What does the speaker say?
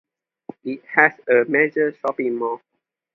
It has a major shopping mall.